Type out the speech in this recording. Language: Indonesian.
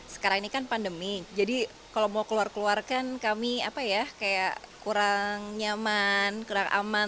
sekarang ini kan pandemi jadi kalau mau keluar keluarkan kami kurang nyaman kurang aman